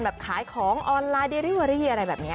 แบบขายของออนไลน์เดริเวอรี่อะไรแบบนี้